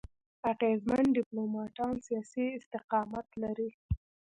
اغېزمن ډيپلوماټان سیاسي استقامت لري.